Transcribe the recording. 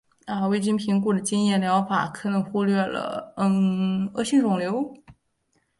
未经评估过的经验疗法可能导致忽略恶性肿瘤。